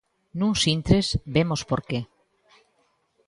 Nuns intres, vemos por que.